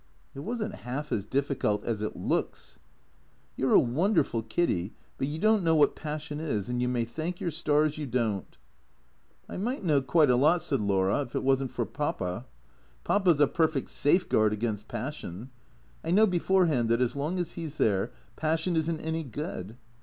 " It was n't half as difficult as it looks," " You 're a wonderful Kiddy, but you don't know what pas sion is, and you may thank your stars you don't." THECKEATOES 115 " I might know quite a lot," said Laura, " if it was n't for Papa. Papa 's a perfect safeguard against passion. I know beforehand that as long as he 's there, passion is n't any good.